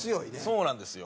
そうなんですよ。